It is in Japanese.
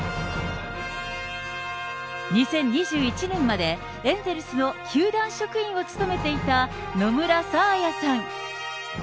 ２０２１年までエンゼルスの球団職員を務めていた野村沙亜也さん。